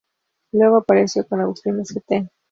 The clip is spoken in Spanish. Luego apareció con Austin St.